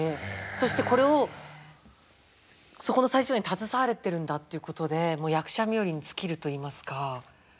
そしてこれをそこの最初に携われてるんだっていうことで役者冥利に尽きるといいますか。